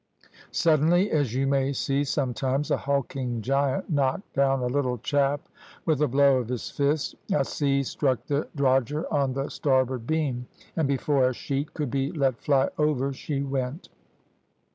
Suddenly, as you may see sometimes a hulking giant knock down a little chap with a blow of his fist, a sea struck the drogher on the starboard beam; and before a sheet could be let fly over she went.